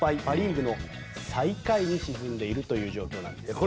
パ・リーグの最下位に沈んでいるという状況なんです。